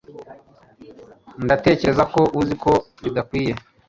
Ndatekereza ko uzi ko bidakwiye.